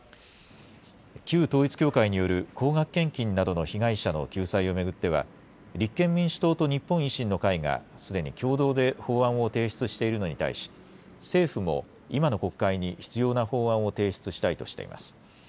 旧統一教会による高額献金などの被害者の救済を巡っては、立憲民主党と日本維新の会がすでに共同で法案を提出しているのに対し、政府も今の国会に必要な法案を提出したいとしています。